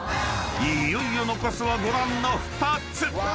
［いよいよ残すはご覧の２つ］